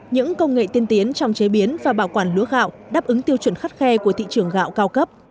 những công nghệ tiên tiến trong chế biến và bảo quản lúa gạo đáp ứng tiêu chuẩn khắt khe của thị trường gạo cao cấp